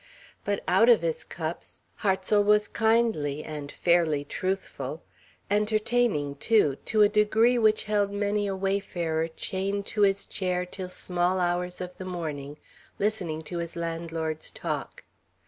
But, out of his cups, Hartsel was kindly, and fairly truthful; entertaining, too, to a degree which held many a wayfarer chained to his chair till small hours of the morning, listening to his landlord's talk.